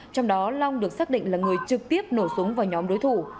trong đó long được xác định là người trực tiếp nổ súng vào nhóm đối thủ